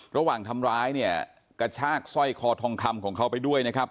ระหว่างทำร้ายเนี่ยกระชากสร้อยคอทองคำของเขาไปด้วยนะครับ